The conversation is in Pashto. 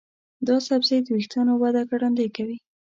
دا سبزی د ویښتانو وده ګړندۍ کوي.